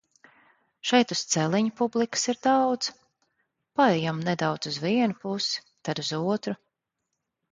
Šeit uz celiņa publikas ir daudz, paejam nedaudz uz vienu pusi, tad uz otru.